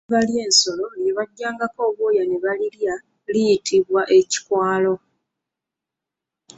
Eddiba ly’ensolo lye bajjangako obwoya ne balirya liyitibwa Ekikwalo.